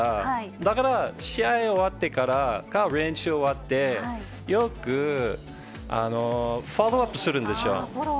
だから、試合終わってからか、練習終わって、よくフォローアップするんですよ。